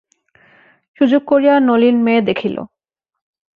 সুযোগ করিয়া নলিন মেয়ে দেখিল।